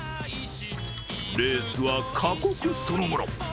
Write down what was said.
レースは過酷そのもの。